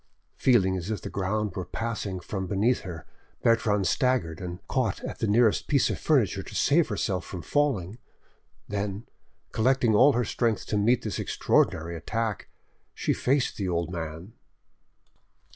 Feeling as if the ground were passing from beneath her, Bertrande staggered, and caught at the nearest piece of furniture to save herself from falling; then, collecting all her strength to meet this extraordinary attack, she faced the old man.